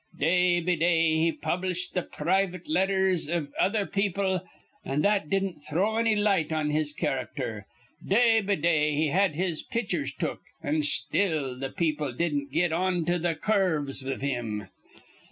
Day be day he published th' private letters iv other people, an' that didn't throw anny light on his charackter. Day be day he had his pitchers took, an' still th' people didn't get onto th' cur rves iv him.